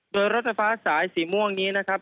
โดยรถไฟฟ้าสายสีม่วงนี้นะครับ